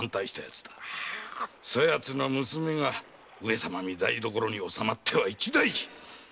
そやつの娘が上様御台所におさまっては一大事！